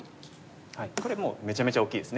これもうめちゃめちゃ大きいです。